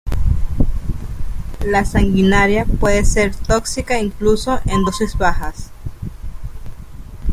La sanguinaria puede ser tóxica incluso en dosis bajas.